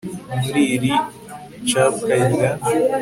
muri iri capwa rya